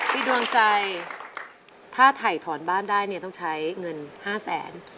ดวงใจถ้าถ่ายถอนบ้านได้เนี่ยต้องใช้เงิน๕แสน